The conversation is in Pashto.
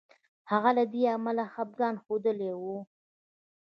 هغه له دې امله خپګان ښودلی وو.